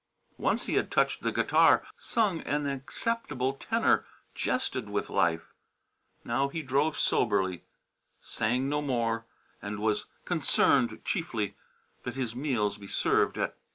Once he had touched the guitar, sung an acceptable tenor, jested with life. Now he drove soberly, sang no more, and was concerned chiefly that his meals be served at set hours.